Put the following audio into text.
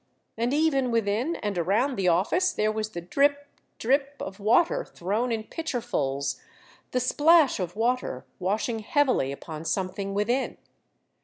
And even within and around the office there was the drip ! drip ! of water thrown in pitcherfuls, the plash of water washing heavily upon something within.